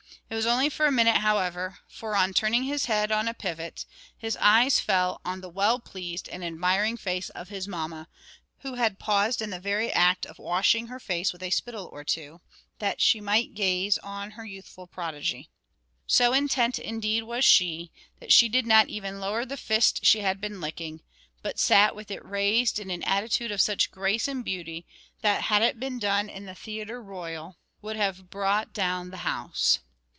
It was only for a minute however, for, on turning his head on a pivot, his eyes fell on the well pleased and admiring face of his mamma, who had paused in the very act of washing her face with a spittle or two, that she might gaze on her youthful prodigy. So intent, indeed, was she, that she did not even lower the fist she had been licking; but sat with it raised in an attitude of such grace and beauty, that, had it been done in the theatre royal, would have brought down the house.